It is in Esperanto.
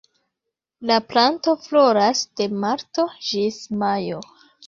La planto floras de marto ĝis majo.